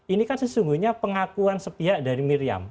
ini kan sesungguhnya pengakuan sepihak dari miriam